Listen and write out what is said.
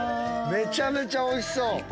めちゃめちゃおいしそう。